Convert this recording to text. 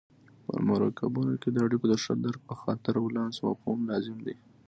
په مرکبونو کې د اړیکو د ښه درک په خاطر ولانس مفهوم لازم دی.